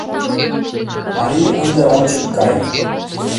Марий, ынде ончык кай!